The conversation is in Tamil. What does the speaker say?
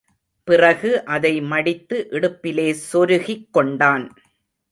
பிறகு அதை மடித்து இடுப்பிலே சொருகிக் கொண்டான்.